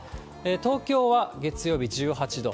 東京は月曜日１８度。